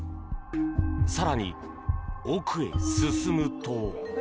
更に奥へ進むと。